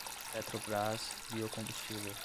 Petrobras Biocombustível